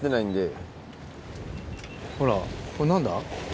ほらこれ何だ？